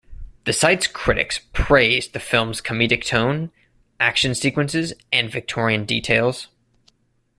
The site's critics praised the film's comedic tone, action sequences, and Victorian details.